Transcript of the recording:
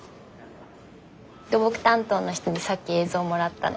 土木担当の人にさっき映像もらったの。